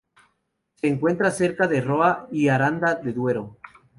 Se encuentra cerca de Roa y de Aranda de Duero.